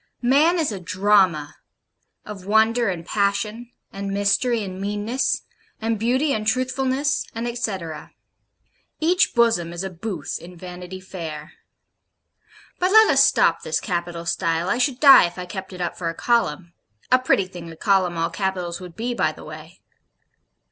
Man is a Drama of Wonder and Passion, and Mystery and Meanness, and Beauty and Truthfulness, and Etcetera. Each Bosom is a Booth in Vanity Fair. But let us stop this capital style, I should die if I kept it up for a column (a pretty thing a column all capitals would be, by the way).